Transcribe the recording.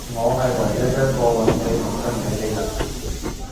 我係唯一一個搵你同跟你既人